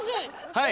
はい。